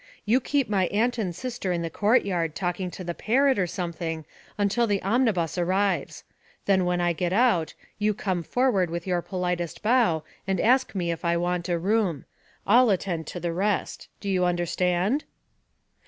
You keep my aunt and sister in the courtyard talking to the parrot or something until the omnibus arrives. Then when I get out, you come forward with your politest bow and ask me if I want a room. I'll attend to the rest do you understand?'